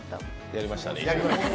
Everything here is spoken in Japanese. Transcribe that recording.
やりましたね？